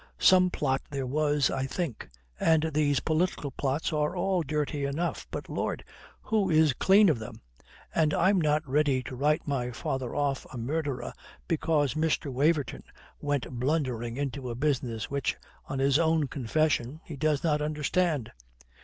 Some plot there was, I think, and these political plots are all dirty enough. But, Lord, who is clean of them? And I'm not ready to write my father off a murderer because Mr. Waverton went blundering into a business which, on his own confession, he does not understand."